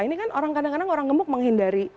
ini kan orang kadang kadang orang gemuk menghindari